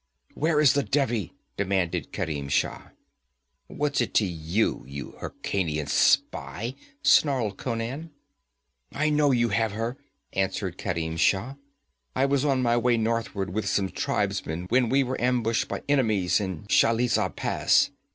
'Where is the Devi?' demanded Kerim Shah. 'What's it to you, you Hyrkanian spy?' snarled Conan. 'I know you have her,' answered Kerim Shah. 'I was on my way northward with some tribesmen when we were ambushed by enemies in Shalizah Pass.